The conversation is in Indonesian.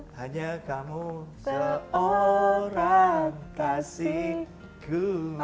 hanya kamu seorang kasihku